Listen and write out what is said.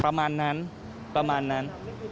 ประมาณนั้นประมาณนั้น